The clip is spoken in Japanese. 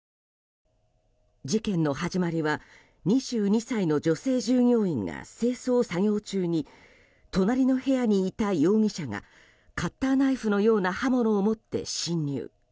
事件の始まりは２２歳の女性従業員が清掃作業中に隣の部屋にいた容疑者がカッターナイフのような刃物を持って侵入。